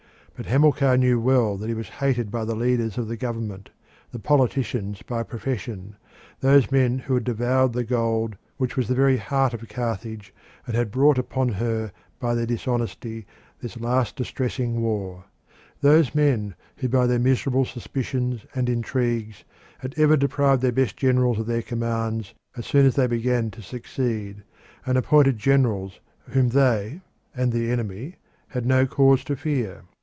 But Hamilcar knew well that he was hated by the leaders of the government, the politicians by profession, those men who had devoured the gold which was the very heart of Carthage, and had brought upon her by their dishonesty this last distressing war; those men who by their miserable suspicions and intrigues had ever deprived their best generals of their commands as soon as they began to succeed, and appointed generals whom they and the enemy had no cause to fear.